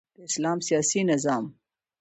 د اسلام سیاسی نظام